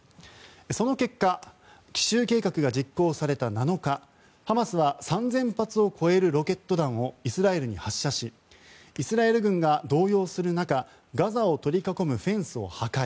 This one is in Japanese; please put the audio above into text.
その結果奇襲計画が実行された７日ハマスは、３０００発を超えるロケット弾をイスラエルに発射しイスラエル軍が動揺する中ガザを取り囲むフェンスを破壊。